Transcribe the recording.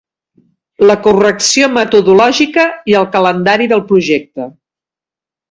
La correcció metodològica i el calendari del projecte.